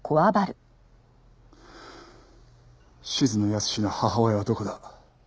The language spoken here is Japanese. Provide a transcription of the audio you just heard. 静野保志の母親はどこだ？